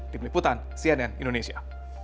tim liputan cnn indonesia